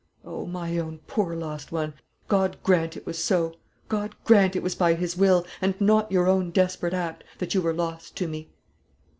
Oh, my own poor lost one, God grant it was so! God grant it was by His will, and not your own desperate act, that you were lost to me!"